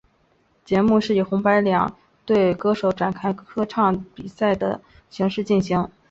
节目以红白两队歌手展开歌唱比赛的形式进行。